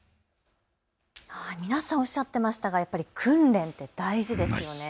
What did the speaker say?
皆さんおっしゃっていましたが、やっぱり訓練って大事ですよね。